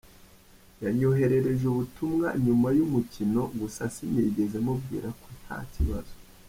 Yanyoherereje ubutumwa nyuma y’umukino gusa sinigeze mubwira ko nta kibazo.